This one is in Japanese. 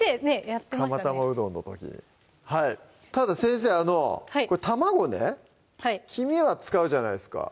「かま玉うどん」の時ただ先生これ卵ね黄身は使うじゃないですか